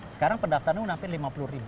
sekarang pendaftaran hampir lima puluh ribu